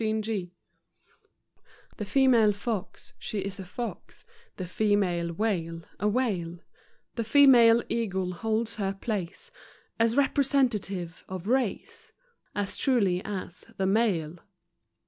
FEMALES * The female fox she is a fox; The female whale a whale; The female eagle holds her place As representative of race As truly as the male.